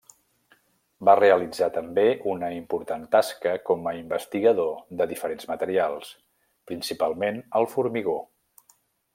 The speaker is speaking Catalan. Va realitzar també una important tasca com a investigador de diferents materials, principalment el formigó.